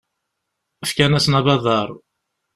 Fkan-asen abadaṛ.